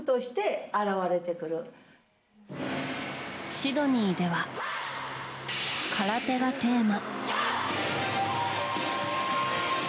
シドニーでは空手がテーマ。